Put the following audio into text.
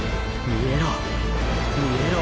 見えろ！！